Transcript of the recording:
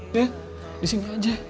ya disini aja